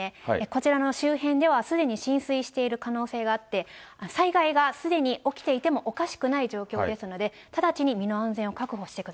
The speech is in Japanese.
こちらの周辺では、すでに浸水している可能性があって、災害がすでに起きていてもおかしくない状況ですので、直ちに身の安全を確保